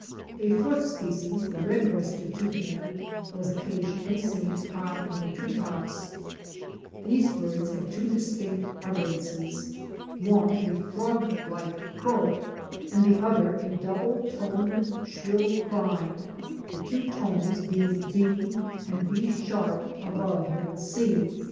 A fourth species, the Red breasted Toucan * was occasion ally seen high in the tree tops. These birds had two distinct Fic. 79. THe '"LIttLtE GIANT"? AT WorK. 9 utterances, one a frog like croak, and the other a double toned shrill cry, the two tones being B and B# above middle C.